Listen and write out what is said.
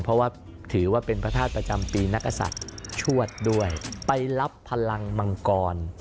เพราะว่าถือว่าเป็นพระธาตุประจำปีนักศัตริย์ชวดด้วยไปรับพลังมังกร